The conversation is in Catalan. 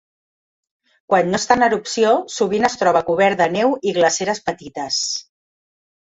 Quan no està en erupció sovint es troba cobert de neu i glaceres petites.